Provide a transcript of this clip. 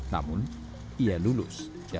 namun ia lulus dalam ujian